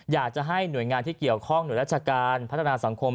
อยากจะให้หน่วยงานที่เกี่ยวข้องหน่วยราชการพัฒนาสังคม